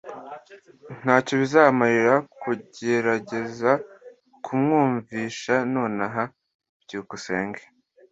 Ntacyo bizamarira kugerageza kumwumvisha nonaha? byukusenge